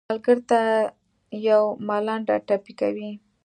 سوالګر ته یو ملنډه ټپي کوي